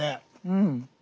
うん。